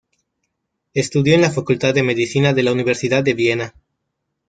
Estudió en la facultad de medicina de la Universidad de Viena.